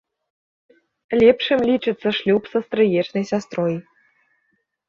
Лепшым лічыцца шлюб са стрыечнай сястрой.